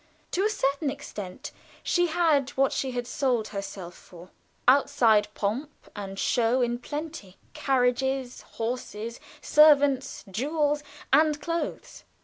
To a certain extent she had what she had sold herself for; outside pomp and show in plenty carriages, horses, servants, jewels, and clothes.